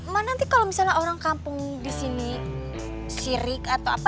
ma nanti kalo misalnya orang kampung di sini sirik atau apa